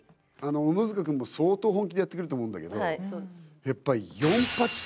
小野塚君も相当本気でやってくれると思うんだけどやっぱ。